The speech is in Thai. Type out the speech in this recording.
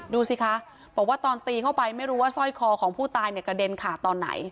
ดูสิคะบอกว่าตอนตีเข้าไปไม่รู้ว่าสร้อยคอของผู้ตายเนี่ยกระเด็นขาดตอนไหน